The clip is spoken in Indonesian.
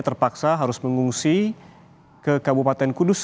terpaksa harus mengungsi ke kabupaten kudus